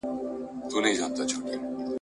دې د ابوجهل له اعلان سره به څه کوو `